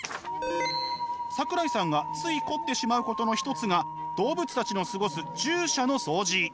桜井さんがつい凝ってしまうことの一つが動物たちの過ごす獣舎のそうじ。